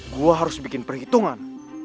gue harus bikin perhitungan